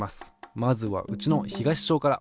まずはうちの東小から。